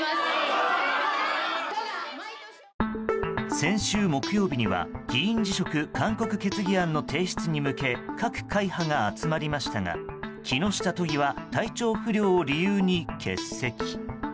先週木曜日には議員辞職勧告決議案の提出に向け各会派が集まりましたが木下都議は体調不良を理由に欠席。